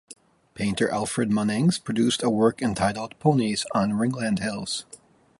Painter Alfred Munnings produced a work entitled "Ponies on Ringland Hills".